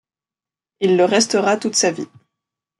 Il le restera toute sa vie.